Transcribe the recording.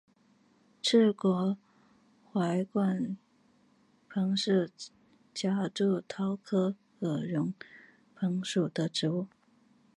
翅果杯冠藤是夹竹桃科鹅绒藤属的植物。